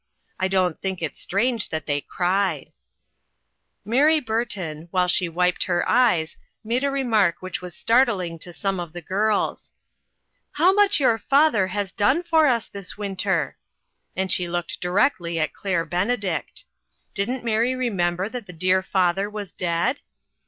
I don't think it strange that they cried ! Mary Burton, while she wiped her eyes, made a remark which was startling to some of the girls :" How much your father has done for us this winter !" and she looked directly at Claire Benedict. Didn't Mary remember that the dear father was dead